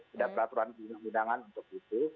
dalam peraturan undang undangan untuk itu